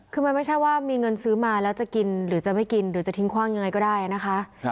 คือมันไม่ใช่ว่ามีเงินซื้อมาแล้วจะกินหรือจะไม่กินหรือจะทิ้งคว่างยังไงก็ได้นะคะ